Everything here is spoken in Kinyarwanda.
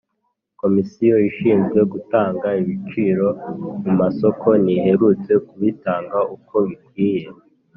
Komisiyo ishinzwe gutanga ibiciro mu masoko ntiherutse kubitanga uko bikwiye